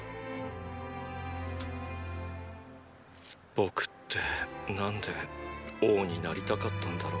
僕って何で王になりたかったんだろう？